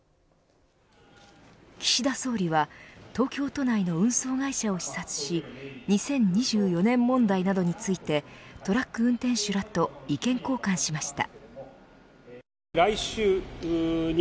岸田総理は東京都内の運送会社を視察し２０２４年問題などについてトラック運転手らと意見交換しました。